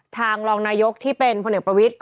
รองนายกที่เป็นพลเอกประวิทธิ